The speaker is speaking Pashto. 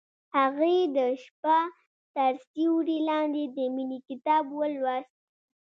هغې د شپه تر سیوري لاندې د مینې کتاب ولوست.